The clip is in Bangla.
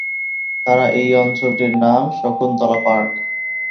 তারা এই অঞ্চলটির নাম শকুন্তলা পার্ক।